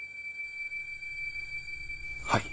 はい。